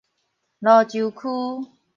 蘆洲區